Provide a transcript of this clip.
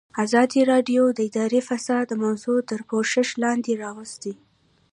ازادي راډیو د اداري فساد موضوع تر پوښښ لاندې راوستې.